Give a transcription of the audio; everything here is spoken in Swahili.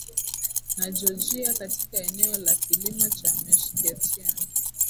na Georgia Katika eneo la kilima cha Meskhetian